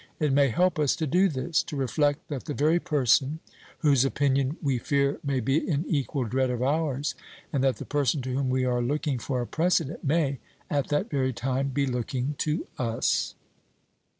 It may help us to do this, to reflect that the very person whose opinion we fear may be in equal dread of ours, and that the person to whom we are looking for a precedent may, at that very time, be looking to us.